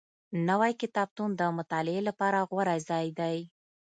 نوی کتابتون د مطالعې لپاره غوره ځای دی